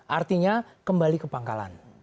artinya kembali ke pangkalan